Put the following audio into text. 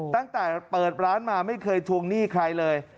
ตั้งแต่เปิดร้านมาไม่เคยทวงหนี้ใครเลย